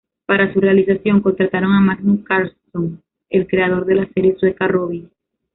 Para su realización, contrataron a Magnus Carlsson, el creador de la serie sueca "Robin".